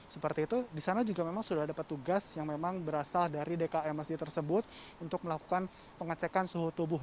seperti itu di sana juga memang sudah ada petugas yang memang berasal dari dkm masjid tersebut untuk melakukan pengecekan suhu tubuh